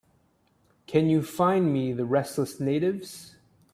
Can you find me the Restless Natives?